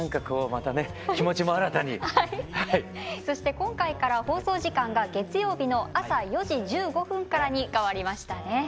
そして今回から放送時間が月曜日の朝４時１５分からにかわりましたね。